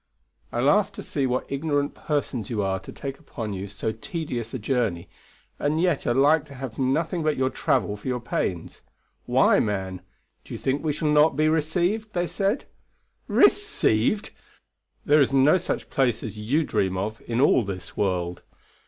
I laugh to see what ignorant persons you are to take upon you so tedious a journey, and yet are like to have nothing but your travel for your pains. Why, man? Do you think we shall not be received? they said. Received! There is no such place as you dream of in all this world.